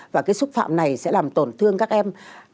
và cái xúc phạm này sẽ làm tổn thương các em